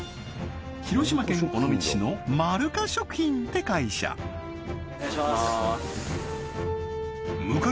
広島県尾道市のまるか食品って会社お願いします